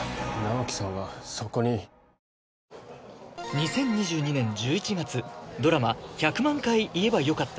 ２０２２年１１月ドラマ「１００万回言えばよかった」